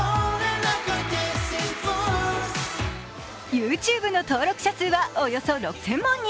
ＹｏｕＴｕｂｅの登録者数はおよそ６０００万人。